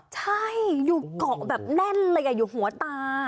ใช่อยู่เกาะแบบแน่นเลยอยู่หัวตา